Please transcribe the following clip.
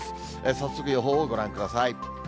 早速予報をご覧ください。